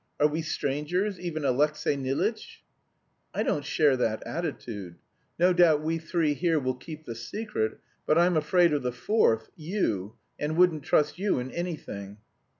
Are we strangers, even Alexey Nilitch?" "I don't share that attitude. No doubt we three here will keep the secret, but I'm afraid of the fourth, you, and wouldn't trust you in anything...."